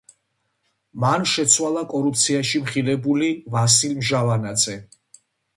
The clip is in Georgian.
მან შეცვალა კორუფციაში მხილებული ვასილ მჟავანაძე.